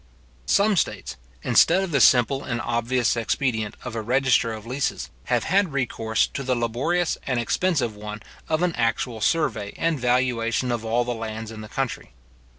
Some states, instead of the simple and obvious expedient of a register of leases, have had recourse to the laborious and expensive one of an actual survey and valuation of all the lands in the country.